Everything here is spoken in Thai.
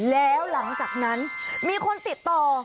แล้วหลังจากนั้นมีคนติดต่อ